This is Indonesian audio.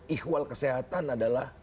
ikhwal kesehatan adalah